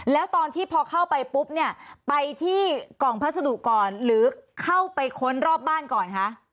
แล้วตอนที่พอเข้าไปปุ๊บเนี่ยไปที่กล่องพัสดุก่อนหรือเข้าไปค้นรอบบ้านก่อนคะ